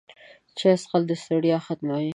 چای څښل د ستړیا ختموي